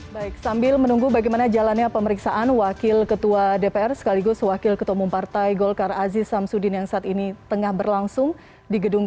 baik sambil menunggu bagaimana jalannya pemeriksaan wakil ketua dpr sekaligus wakil ketua umum partai golkar aziz samsudin yang saat ini tengah berlangsung di gedung kpk